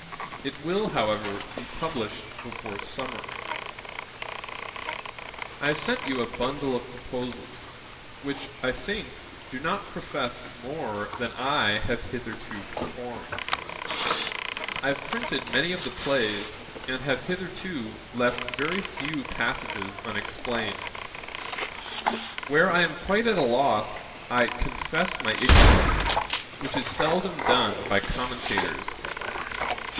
It will, however, be published before summer. 'I have sent you a bundle of proposals, which, I think, do not profess more than I have hitherto performed. I have printed many of the plays, and have hitherto left very few passages unexplained; where I am quite at a loss, I confess my ignorance, which is seldom done by commentators.